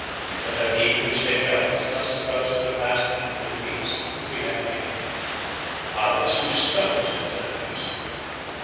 The fatigue which they felt is thus supposed to have passed into the leaves and to be left behind. Others use stones instead of leaves.